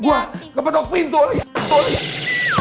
gue kepetok pintu oleh sial